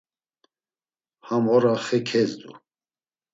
Ham ora xe kezdu.